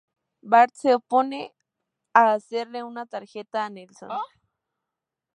Bart se opone a hacerle una tarjeta a Nelson.